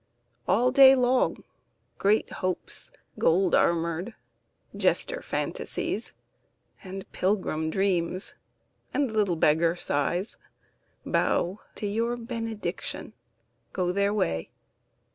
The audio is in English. All day long Great Hopes gold armoured, jester Fantasies, And pilgrim Dreams, and little beggar Sighs, Bow to your benediction, go their way.